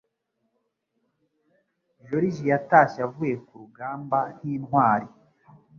Joriji yatashye avuye kurugamba nkintwari.